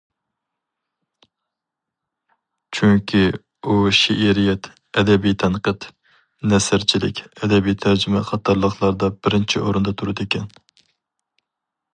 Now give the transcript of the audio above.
چۈنكى ئۇ شېئىرىيەت، ئەدەبىي تەنقىد، نەسرچىلىك، ئەدەبىي تەرجىمە قاتارلىقلاردا بىرىنچى ئورۇندا تۇرىدىكەن.